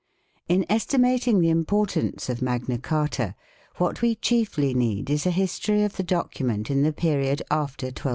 IN estimating the importance of Magna Carta what we chiefly need is a history of the document in the period after I2I5.